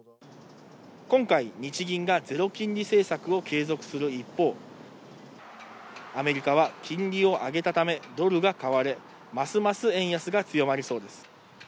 今回、日銀がゼロ金利政策を継続する一方、アメリカは金利を上げたためドルが買われ、ますます円安は強まりそうです。